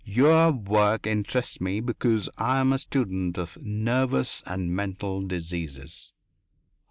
"Your work interests me, because I am a student of nervous and mental diseases."